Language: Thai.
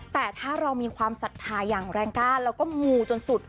แต่ถ้าเรามีความศรัทธาอย่างแรงกล้าแล้วก็มูจนสุด